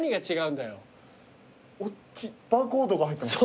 バーコードが入ってます。